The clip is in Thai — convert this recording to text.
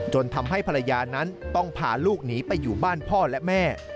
ทำให้ภรรยานั้นต้องพาลูกหนีไปอยู่บ้านพ่อและแม่